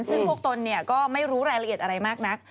ซึ่งพวกตนก็ไม่รู้รายละเอียดอะไรมากนัก